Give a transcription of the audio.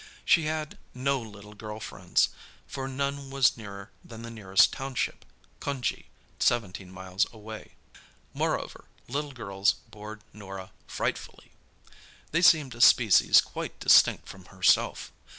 She had no little girl friends, for none was nearer than the nearest township—Cunjee, seventeen miles away. Moreover, little girls bored Norah frightfully. They seemed a species quite distinct from herself.